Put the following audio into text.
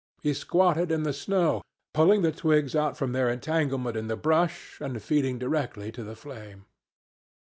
He squatted in the snow, pulling the twigs out from their entanglement in the brush and feeding directly to the flame.